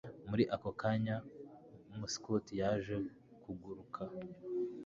Muri ako kanya umuskuti yaje kuguruka